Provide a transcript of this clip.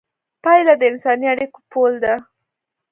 پیاله د انساني اړیکو پُل ده.